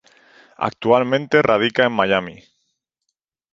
Actualmente radica en Miami.